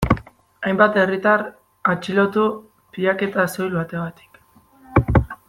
Hainbat herritar atxilotu pintaketa soil bategatik.